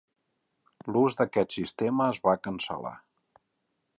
L'ús d'aquest sistema es va cancel·lar.